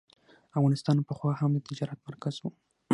افغانستان پخوا هم د تجارت مرکز و.